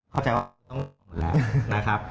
เข้าใจว่าต้องลดละนะครับ